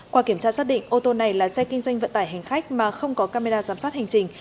qua kiểm tra xác định ô tô này là xe kinh doanh vận tải hành khách mà không có camera giám sát hành trình